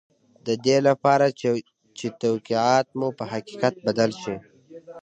د دې لپاره چې توقعات مو په حقيقت بدل شي.